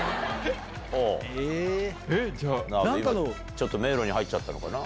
ちょっと迷路に入っちゃったのかな。